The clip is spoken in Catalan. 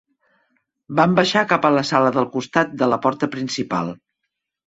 Van baixar cap a la sala del costat de la porta principal.